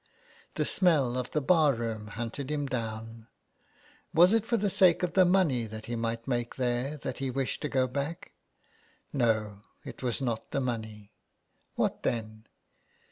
The smell of the bar room hunted him down. Was it for the sake of the money that he might make there that he wished to go back ? No, it was not the money. What then